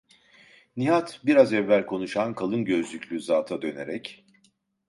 Nihat biraz evvel konuşan kalın gözlüklü zata dönerek: